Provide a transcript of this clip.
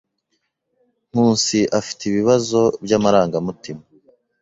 Nkusi afite ibibazo byamarangamutima.